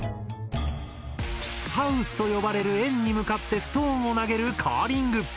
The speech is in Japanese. ハウスと呼ばれる円に向かってストーンを投げるカーリング。